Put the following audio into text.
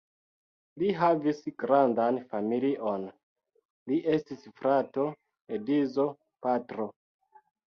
Li havis grandan familion: li estis frato, edzo, patro.